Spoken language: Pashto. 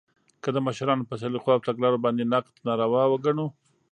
که د مشرانو په سلیقو او تګلارو باندې نقد ناروا وګڼو